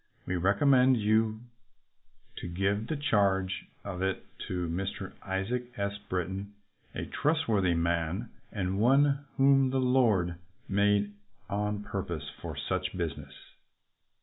We recommend you to give the charge of it to Mr. Isaac S. Britton, a trustworthy man and one whom the Lord made on purpose for such business."